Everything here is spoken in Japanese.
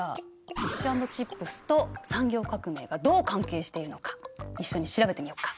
フィッシュ＆チップスと産業革命がどう関係しているのか一緒に調べてみようか。